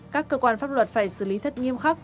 các cơ quan pháp luật phải xử lý thật nghiêm khắc